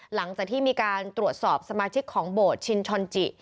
หลังจากที่มีการตรวจสอบสมาชิกของโบสถ์ชินชอนจิ